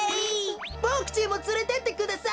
ボクちんもつれてってください。